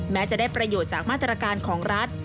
แม้จะได้ประโยชน์จากมาตรการของรัฐ